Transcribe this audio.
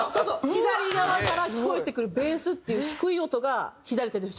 左側から聴こえてくるベースっていう低い音が左手で弾くもの。